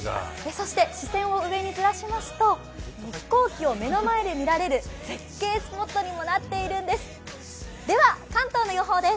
視線を上にずらしますと飛行機を目の前で見られる絶景スポットにもなっているんです。